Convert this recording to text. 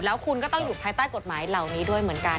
แล้วคุณก็ต้องอยู่ภายใต้กฎหมายเหล่านี้ด้วยเหมือนกัน